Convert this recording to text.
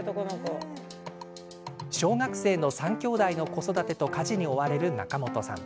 小学生の３きょうだいの子育てと家事に追われる中本さん。